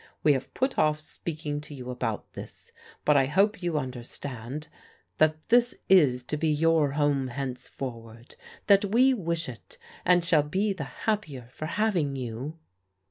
We have put off speaking to you about this, but I hope you understand that this is to be your home henceforward; that we wish it and shall be the happier for having you